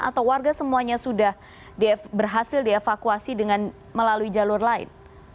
atau warga semuanya sudah berhasil dievakuasi dengan melalui jalur lain